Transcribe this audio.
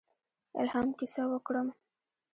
الهام کیسه وکړم.